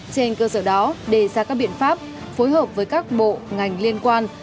trên cơ sở đó đề ra các biện pháp phối hợp với các bộ ngành liên quan